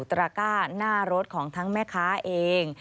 ตระก้าหน้ารถของทั้งแม่ค้าเอง